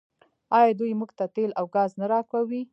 آیا دوی موږ ته تیل او ګاز نه راکوي؟